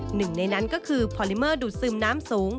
หนึ่งในนั้นก็คือพอลิเมอร์ดูดซึมน้ำสูง